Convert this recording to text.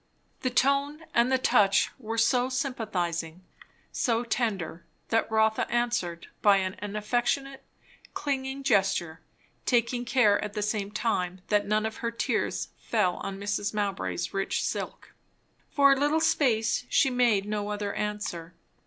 The tone and the touch were so sympathizing, so tender, that Rotha answered by an affectionate, clinging gesture, taking care at the same time that none of her tears fell on Mrs. Mowbray's rich silk. For a little space she made no other answer.